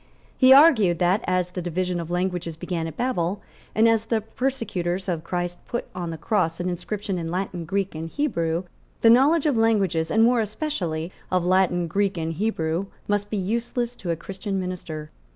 He argued that, as the division of languages began at Babel, and as the persecutors of Christ put on the cross an inscription in Latin, Greek and Hebrew, the knowledge of languages, and more especially of Latin, Greek and Hebrew, must be useless to a Christian minister.